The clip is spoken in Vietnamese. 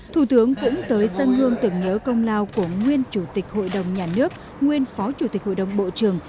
thủ tướng cũng tới dân hương tưởng nhớ công lao của nguyên chủ tịch hội đồng nhà nước nguyên phó chủ tịch hội đồng bộ trưởng